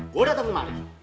gue datang kemari